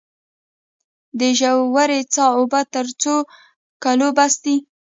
د ژورې څاه اوبه تر څو کلونو بس دي؟